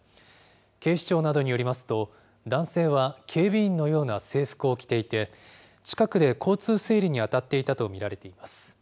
警視庁などによりますと、男性は警備員のような制服を着ていて、近くで交通整理に当たっていたと見られています。